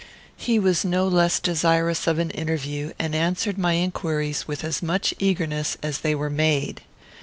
He was no less desirous of an interview, and answered my inquiries with as much eagerness as they were made.